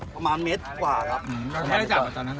ภูมิไปรับ